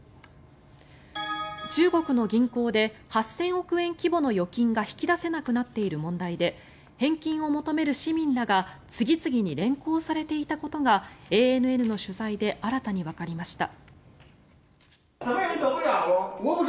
中国の銀行で８０００億円規模の預金が引き出せなくなっている問題で返金を求める市民らが次々に連行されていたことがＡＮＮの取材で新たにわかりました。